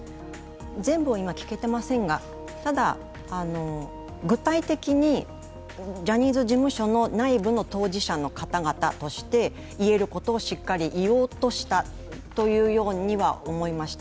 全部を今聞けていませんがただ、具体的にジャニーズ事務所の内部の方として言えることをしっかり言おうとしたというようには思いました。